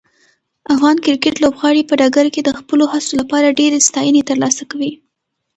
افغان کرکټ لوبغاړي په ډګر کې د خپلو هڅو لپاره ډیرې ستاینې ترلاسه کوي.